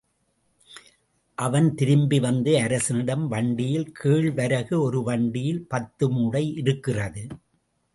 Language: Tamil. அவன் திரும்பி வந்து அரசனிடம், வண்டியில் கேழ் வரகு, ஒரு வண்டியில் பத்து மூட்டை இருக்கிறது.